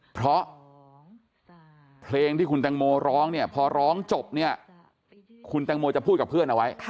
เพราะเพลงที่คุณแตงโมร้องเนี่ยพอร้องจบเนี่ยคุณแตงโมจะพูดกับเพื่อนเอาไว้